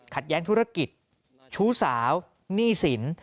แย้งธุรกิจชู้สาวหนี้สิน